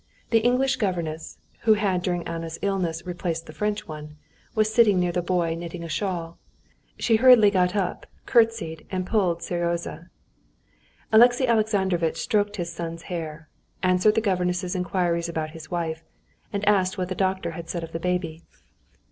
The English governess, who had during Anna's illness replaced the French one, was sitting near the boy knitting a shawl. She hurriedly got up, curtseyed, and pulled Seryozha. Alexey Alexandrovitch stroked his son's hair, answered the governess's inquiries about his wife, and asked what the doctor had said of the baby.